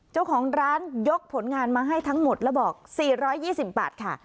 เจ้าของร้านยกผลงานมาให้ทั้งหมดแล้วบอก๔๒๐บาทค่ะ